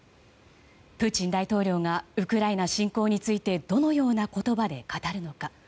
プーチン大統領がウクライナ侵攻についてどのような言葉で語るのか。